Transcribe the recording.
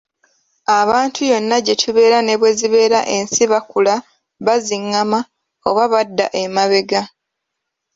Abantu yonna gye tubeera ne bwe zibeera ensi bakula, bazingama oba badda emabega.